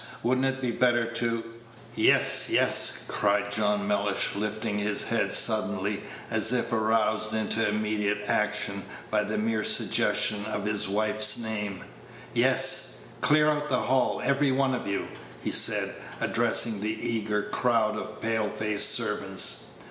Would n't it be better to " "Yes! yes!" cried John Mellish, lifting his head suddenly, as if aroused into immediate action by the mere suggestion of his wife's name "yes! Clear out of the hall, every one of you," he said, addressing the eager group of pale faced servants.